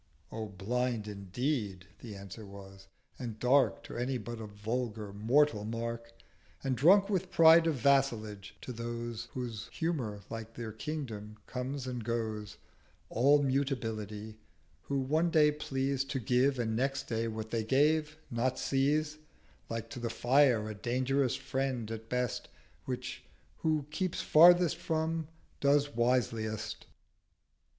'— 'O blind indeed'—the Answer was, 'and dark To any but a vulgar Mortal Mark, 410 And drunk with Pride of Vassalage to those Whose Humour like their Kingdom comes and goes; All Mutability: who one Day please To give: and next Day what they gave not seize: Like to the Fire: a dangerous Friend at best, Which who keeps farthest from does wiseliest.